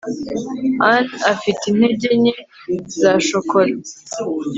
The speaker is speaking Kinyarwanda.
ann afite intege nke za shokora